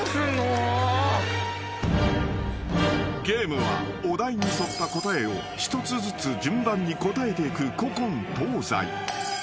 ［ゲームはお題に沿った答えを一つずつ順番に答えていく古今東西］